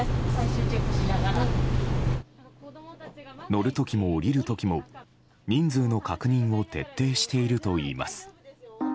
乗る時も降りる時も人数の確認を徹底しているといいます。